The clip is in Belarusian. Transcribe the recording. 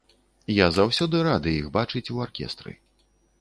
Я заўсёды рады іх бачыць у аркестры.